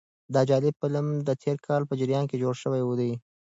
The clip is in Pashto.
دا جالب فلم د تېر کال په جریان کې جوړ شوی دی.